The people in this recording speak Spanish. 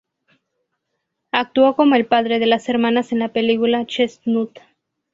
Actuó como el padre de las hermanas en la película "Chestnut".